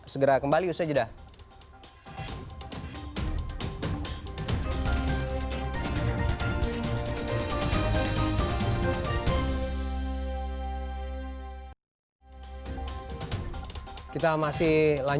segera kembali usah jeda